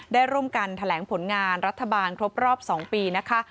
ได้ร่วมกันแถลงผลงานรัฐบาลครบรอบ๒ปีนะคะ